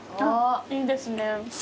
いいですね。